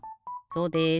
そうです！